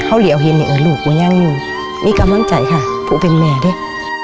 เราเห็นลูกก็ยังมีกำลังใจค่ะผู้เป็นแม่ด้วย